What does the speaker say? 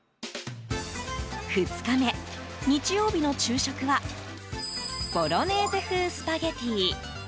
２日目、日曜日の昼食はボロネーゼ風スパゲティ。